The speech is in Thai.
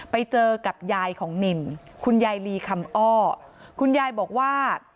ไปเจอกับยายของนินคุณยายลีคำอ้อคุณยายบอกว่า